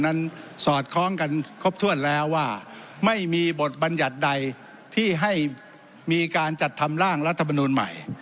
เพราะฉะนั้นสอดคล้องกันครบถ้วนแล้วว่าไม่มีบทบรรยัตน์ใดที่ให้มีการจัดทำร่างรัฐบนูนใหม่